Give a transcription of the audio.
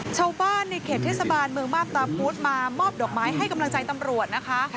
ชาวบ้านในเขตเทศบาลเมืองมาบตาพุธมามอบดอกไม้ให้กำลังใจตำรวจนะคะ